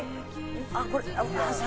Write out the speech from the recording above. あっこれ桜。